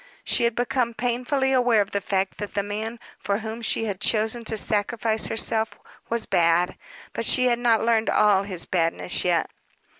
She had become painfully aware of the fact that the man for whom she had chosen to sacrifice herself was bad, but she had not learned all his badness yet.